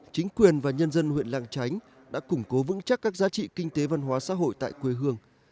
chính quyền và nhân dân huyện lang chánh đã củng cố vững chắc các giá trị kinh tế văn hóa xã hội tại quê hương